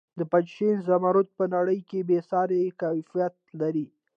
د پنجشیر زمرد په نړۍ کې بې ساري کیفیت لري.